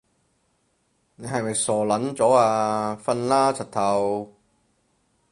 你係咪傻撚咗啊？瞓啦柒頭